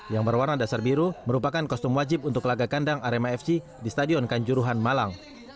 yang berwarna dasar biru merupakan kostum wajib untuk laga kandang arema fc di stadion kanjuruhan malang